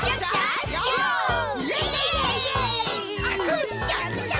「くっしゃくしゃ」